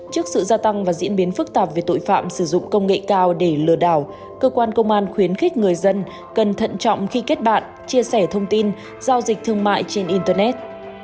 trước sự gia tăng và diễn biến phức tạp về tội phạm sử dụng công nghệ cao để lừa đảo cơ quan công an khuyến khích người dân cần thận trọng khi kết bạn chia sẻ thông tin giao dịch thương mại trên internet